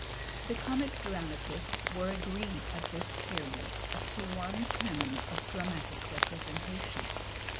The comic dramatists were agreed at this period as to one canon of dramatic representation.